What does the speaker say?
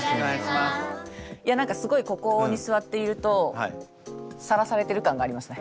いや何かすごいここに座っているとさらされてる感がありますね。